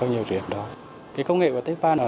hơn nhiều điểm đó cái công nghệ của tết ban